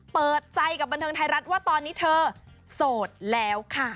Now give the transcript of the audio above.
เปิดใจกับบันเทิงไทยรัฐว่าตอนนี้เธอโสดแล้วค่ะ